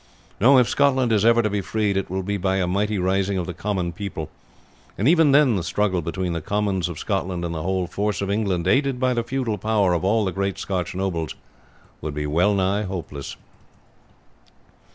No, if Scotland is ever to be freed, it will be by a mighty rising of the common people, and even then the struggle between the commons of Scotland and the whole force of England aided by the feudal power of all the great Scotch nobles, would be well nigh hopeless."